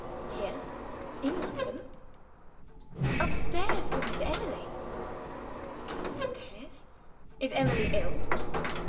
"Here, in London!" "Upstairs, with Miss Emily." "Upstairs? Is Emily ill?"